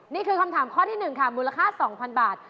นี่คือคำถามข้อที่๑ค่ะมูลค่า๒๐๐๐บาท